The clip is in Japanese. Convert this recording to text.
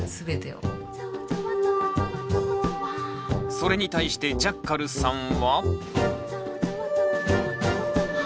それに対してジャッカルさんは？